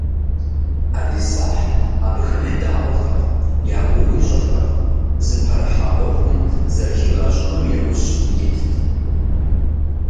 Ӏэлисахь абыхэм едаӏуэртэкъым, я гугъу ищӏыртэкъым, зыпэрыхьа ӏуэхум зэрыхигъэщӏыным яужь итт.